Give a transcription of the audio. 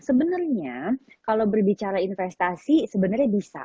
sebenarnya kalau berbicara investasi sebenarnya bisa